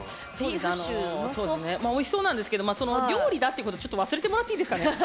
おいしそうですけど料理だってこと忘れてもらっていいですかね。